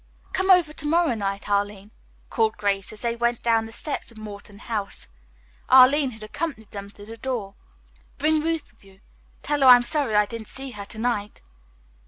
"Come over to morrow night, Arline," called Grace as they went down the steps of Morton House. Arline had accompanied them to the door. "Bring Ruth with you. Tell her I am sorry I didn't see her to night."